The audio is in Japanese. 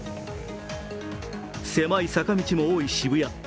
狭い坂道も多い渋谷。